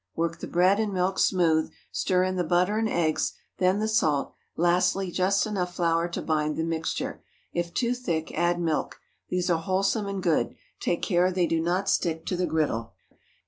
Work the bread and milk smooth, stir in the butter and eggs, then the salt, lastly just enough flour to bind the mixture. If too thick, add milk. These are wholesome and good. Take care they do not stick to the griddle.